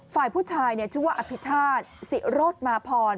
ฝ่ายผู้ชายเนี่ยชื่อว่าอภิชาติศรีรถมาพร